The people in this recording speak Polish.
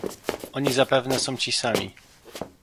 "Oni zapewne są ci sami."